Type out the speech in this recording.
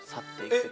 えっ！